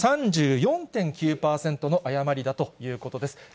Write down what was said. ３４．９％の誤りだということです。